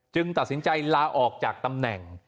ตัดสินใจลาออกจากตำแหน่ง